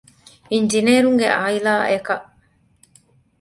އިންޖިނޭރުންގެ ޢާއިލާ އަކަށް